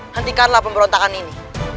hentikanlah pemberontakan ini